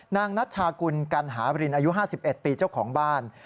นัชชากุลกัณหาบรินอายุ๕๑ปีเจ้าของบ้าน